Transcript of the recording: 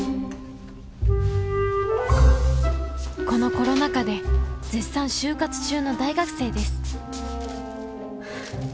このコロナ禍で絶賛就活中の大学生です